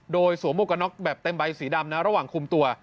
โดยสวมหมวกกระน็อกแบบเต็มใบสีดำนะระหว่างคุมตัว